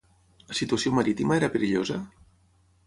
La situació marítima era perillosa?